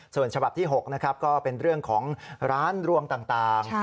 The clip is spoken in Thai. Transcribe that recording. ส่วนฉบับที่๖นะครับก็เป็นเรื่องของร้านรวมต่าง